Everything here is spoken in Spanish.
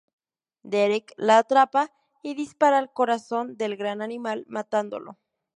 Derek la atrapa y dispara al corazón del Gran animal, matándolo.